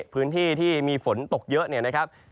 พื้นที่ที่มีฝนตกเยอะ